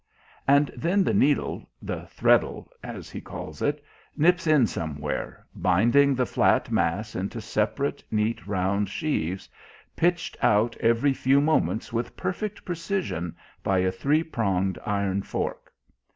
And then the needle, the "threadle" as he calls it, nips in somewhere, binding the flat mass into separate, neat, round sheaves, pitched out every few moments with perfect precision by a three pronged iron fork.